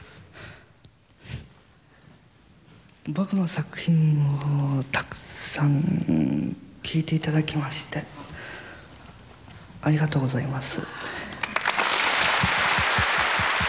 僕の作品をたくさん聴いて頂きましてありがとうございます。